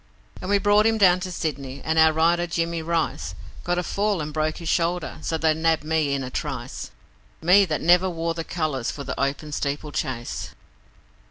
And we brought him down to Sydney, and our rider Jimmy Rice, Got a fall and broke his shoulder, so they nabbed me in a trice Me, that never wore the colours, for the Open Steeplechase.